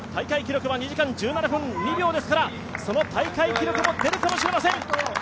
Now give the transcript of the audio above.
２時間１７分２秒ですからその大会記録も出るかもしれません。